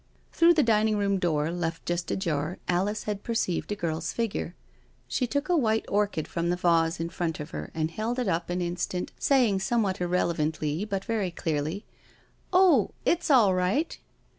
Through the dining room door, left just ajar, Alice had perceived a girl's figure. She took a white orchid from the vase in front of her and held it up an instant,* saying somewhat irrelevantly, but very clearly, " Oh, it's all right."